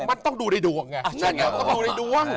ก็ต้องดูในดวงไง